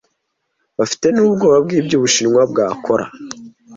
bafite nubwoba bwibyo ubushinwa bwakora